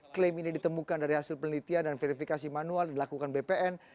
klaim ini ditemukan dari hasil penelitian dan verifikasi manual dilakukan bpn